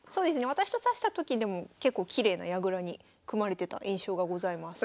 私と指したときでも結構きれいな矢倉に組まれてた印象がございます。